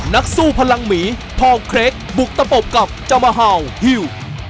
นักสู้พลังหมีทองเครกบุกตะปบกับจามาฮาวฮิว